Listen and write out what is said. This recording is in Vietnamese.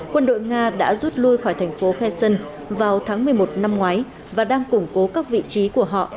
quân đội nga đã rút lui khỏi thành phố kheson vào tháng một mươi một năm ngoái và đang củng cố các vị trí của họ